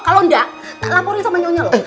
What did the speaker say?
kalau enggak laporin sama nyonya loh